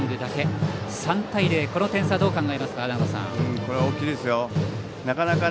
３対０、この点差どう考えますか？